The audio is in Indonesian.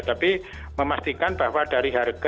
tapi memastikan bahwa dari harga